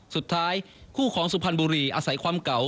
สุดท้ายคู่ของสุพรรณบุรีอาศัยความเก่า